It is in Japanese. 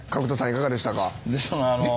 いかがでした？